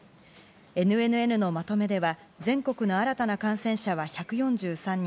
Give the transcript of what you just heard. ＮＮＮのまとめでは全国の新たな感染者は１４３人。